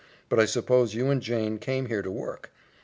But I suppose you and Jane came here to work."